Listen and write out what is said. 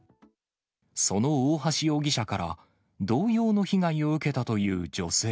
その大橋容疑者から同様の被害を受けたという女性。